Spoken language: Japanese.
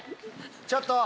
ちょっと。